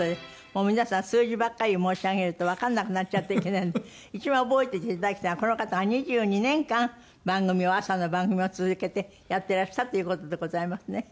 もう皆さん数字ばっかり申し上げるとわかんなくなっちゃうといけないので一番覚えてていただきたいのはこの方が２２年間番組を朝の番組を続けてやってらしたという事でございますね。